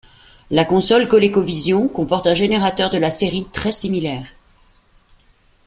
La console ColecoVision comporte un générateur de la série très similaire.